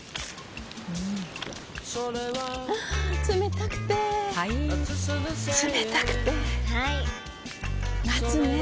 あ冷たくてはい冷たくてはい夏ねえ